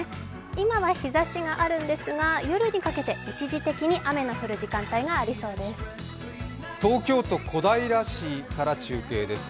今は日ざしがあるんですが、夜にかけて一時的に雨の降る時間帯がありそうです。